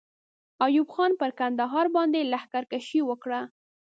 ایوب خان پر کندهار باندې لښکر کشي وکړه.